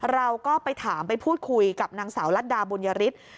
เราก็ไปถามไปพูดคุยกับนางสาวลัดดาบุญยฤทธิ์